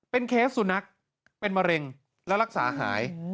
เคสสุนัขเป็นมะเร็งแล้วรักษาหาย